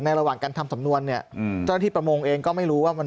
ระหว่างการทำสำนวนเนี่ยเจ้าหน้าที่ประมงเองก็ไม่รู้ว่ามัน